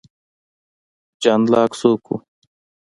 جان لاک څوک و؟